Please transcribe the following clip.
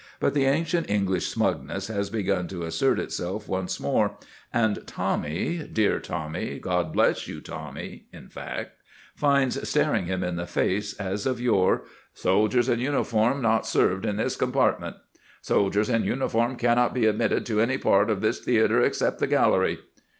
But the ancient English smugness has begun to assert itself once more; and Tommy dear Tommy, God bless you Tommy, in fact finds staring him in the face, as of yore, "Soldiers in uniform not served in this compartment"; "Soldiers in uniform cannot be admitted to any part of this theatre except the gallery."